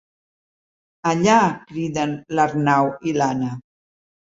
Allà! —criden l'Arnau i l'Anna.